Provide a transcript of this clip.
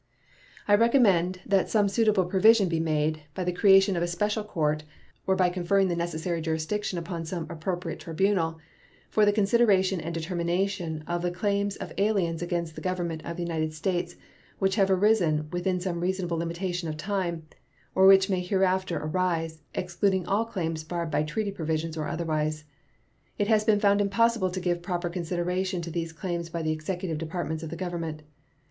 I recommend that some suitable provision be made, by the creation of a special court or by conferring the necessary jurisdiction upon some appropriate tribunal, for the consideration and determination of the claims of aliens against the Government of the United States which have arisen within some reasonable limitation of time, or which may hereafter arise, excluding all claims barred by treaty provisions or otherwise. It has been found impossible to give proper consideration to these claims by the Executive Departments of the Government.